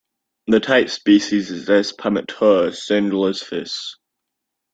The type species is "S. praematura", Schindler's fish.